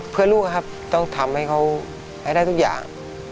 เพื่อลูกครับต้องทำให้เขาให้ได้ทุกอย่าง